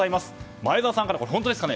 前澤友作さんから、本当ですかね